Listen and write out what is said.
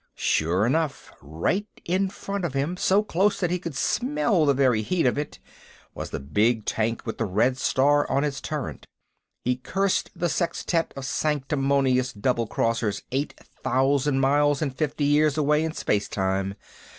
Sure enough, right in front of him, so close that he could smell the very heat of it, was the big tank with the red star on its turret. He cursed the sextet of sanctimonious double crossers eight thousand miles and fifty years away in space time.